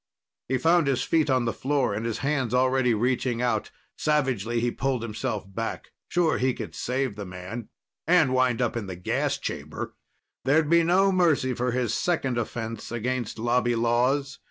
He found his feet on the floor and his hands already reaching out. Savagely he pulled himself back. Sure, he could save the man and wind up in the gas chamber! There'd be no mercy for his second offense against Lobby laws.